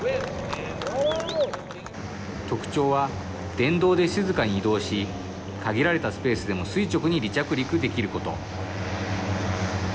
特徴は電動で静かに移動し、限られたスペースでも垂直に離着陸できること。